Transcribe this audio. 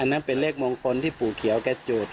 อันนั้นเป็นเลขบวงคนที่ปู่เขียวแก้จูด